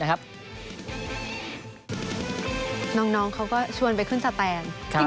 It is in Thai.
น้องเค้าก็ชวนไปขึ้นแสต็น